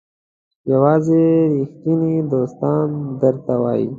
یوازې ریښتیني دوستان درته وایي.